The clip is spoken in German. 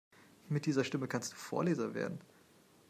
Mit dieser Stimme kannst du Vorleser werden.